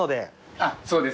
あっそうです。